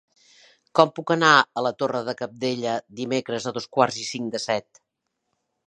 Com puc anar a la Torre de Cabdella dimecres a dos quarts i cinc de set?